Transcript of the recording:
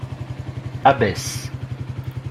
Abbesse